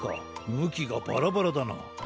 むきがバラバラだな。